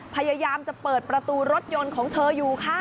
พยายามจะเปิดประตูรถยนต์ของเธออยู่ค่ะ